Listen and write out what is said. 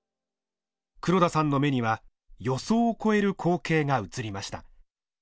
黒田さんの目には予想を超える光景が映りました。